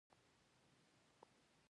غیرتمند د بل عزت ته هم ارزښت ورکوي